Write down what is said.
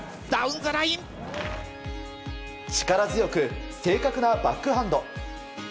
力強く正確なバックハンド。